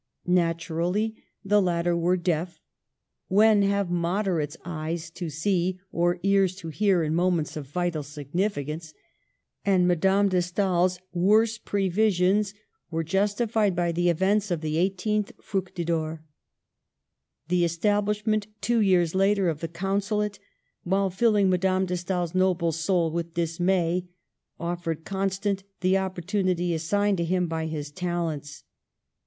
Naturally, the latter were deaf (when have Moderates eyes to see or ears to hear in moments of vital significance?), and Madame de Stael's worst previsions were justi fied by the events of the 18th Fructidor. The establishment, two years later, of the Consulate, while filling Madame de Stael's noble soul with dismay, offered Constant the opportunity as signed to him by histalents.